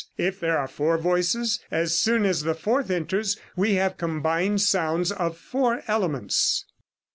If there are four voices, as soon as the fourth enters, we have combined sounds of four elements.